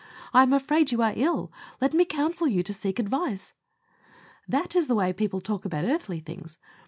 I am afraid you are ill let me counsel you to seek advice." That is the way people talk about earthly things.